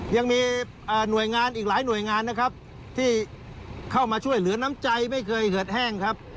ยังมีหน่วยงานอีกหลายหน่วยงานนะครับที่เข้ามาช่วยเหลือน้ำใจไม่เคยเหือดแห้งครับ